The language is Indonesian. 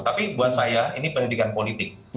tapi buat saya ini pendidikan politik